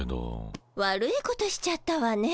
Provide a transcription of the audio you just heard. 悪いことしちゃったわね。